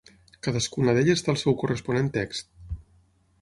Cadascuna d’elles té el seu corresponent text.